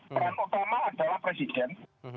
peran utama adalah presiden